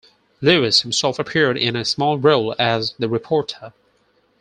Lewis himself appeared in a small role as "The Reporter".